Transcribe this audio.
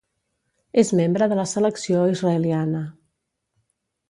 És membre de la selecció israeliana.